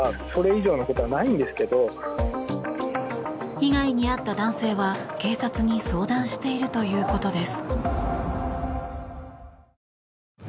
被害に遭った男性は、警察に相談しているということです。